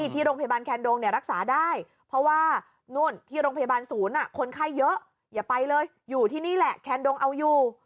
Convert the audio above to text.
ที่โรงพยาบาลศูนย์คนไข้เยอะอย่าไปเลยอยู่ที่นี่แหละแคลดงเอาอยู่